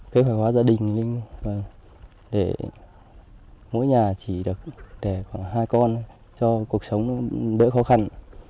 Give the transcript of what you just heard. kế hoạch hóa gia đình để mỗi nhà chỉ được để khoảng hai con cho cuộc sống đỡ khó khăn